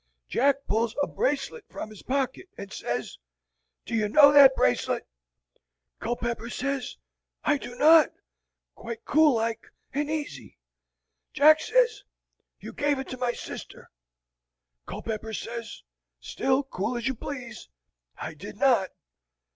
"Jack pulls a bracelet from his pocket and says, 'Do you know that bracelet?' Culpepper says, 'I do not,' quite cool like and easy. Jack says, 'You gave it to my sister.' Culpepper says, still cool as you please, 'I did not.'